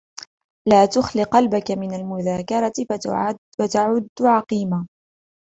لَا تُخْلِ قَلْبَك مِنْ الْمُذَاكَرَةِ فَتَعُدْ عَقِيمًا